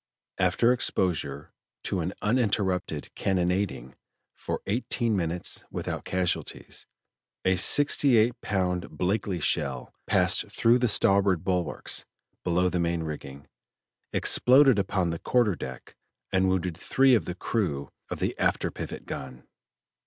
After exposure to an uninterrupted cannonading for eighteen minutes without casualties, a sixty eight pound Blakely shell passed through the starboard bulwarks below main rigging, exploded upon the quarter deck, and wounded three of the crew of the after pivot gun.